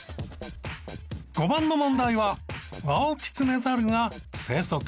５番の問題はワオキツネザルが生息。